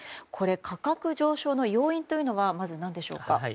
価格上昇の要因というのは何でしょう。